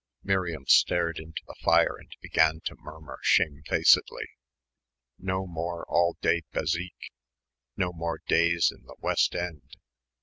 Miriam stared into the fire and began to murmur shamefacedly. "No more all day bézique.... No more days in the West End....